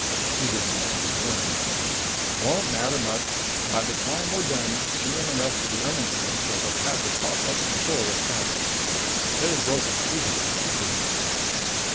He didn't look concerned. "Won't matter much. By the time we're done, she and the rest of the Ermetynes will have had to cough up control of Tranest. They've broken treaty with this business."